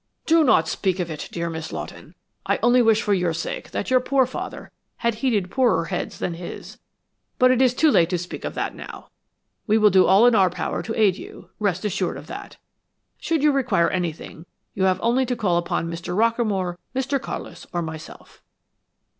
"Do not speak of it, dear Miss Lawton. I only wish for your sake that your poor father had heeded poorer heads than his, but it is too late to speak of that now. We will do all in our power to aid you, rest assured of that. Should you require anything, you have only to call upon Mr. Rockamore, Mr. Carlis or myself."